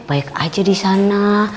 baik aja disana